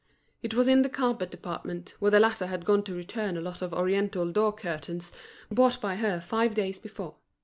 It was in the carpet department, where the latter had gone to return a lot of Oriental door curtains bought by her five days before.